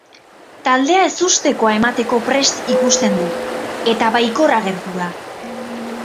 Taldea ezustekoa emateko prest ikusten du, eta baikor agertu da.